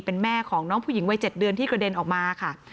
เป็นแม่ของน้องผู้หญิงวัย๗เดือนที่กระเด็นออกมาค่ะ